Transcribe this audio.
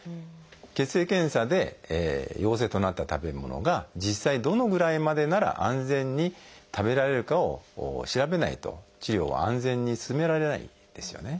血液検査で陽性となった食べ物が実際どのぐらいまでなら安全に食べられるかを調べないと治療は安全に進められないんですよね。